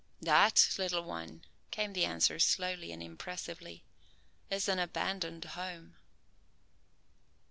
"That, little one," came the answer slowly and impressively, "is an abandoned home."